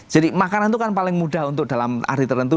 jadi makanan itu kan paling mudah untuk dalam arti tertentu